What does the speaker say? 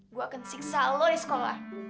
gue akan siksa lo di sekolah